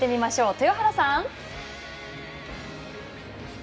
豊原さん。